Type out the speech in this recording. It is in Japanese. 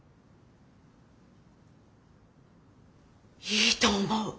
いいと思う！